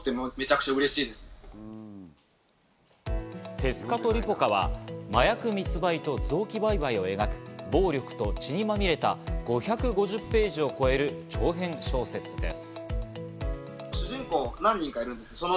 『テスカトリポカ』は麻薬密売と臓器売買を描く、暴力と血にまみれた５５０ページを超える長編小説です。